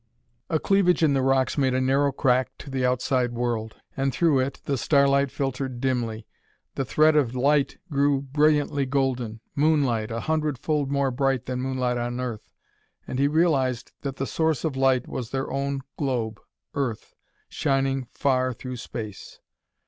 A cleavage in the rocks made a narrow crack to the outside world, and through it the starlight filtered dimly. The thread of light grew brilliantly golden moonlight, a hundredfold more bright than moonlight on Earth. And he realized that the source of light was their own globe, Earth, shining far through space!